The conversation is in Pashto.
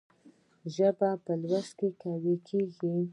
ژبه په لوست قوي کېږي.